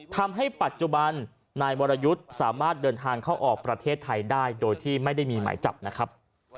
ทำให้ปัจจุบันนายวรยุทธ์สามารถเดินทางเข้าออกประเทศไทยได้โดยที่ไม่ได้มีหมายจับนะครับ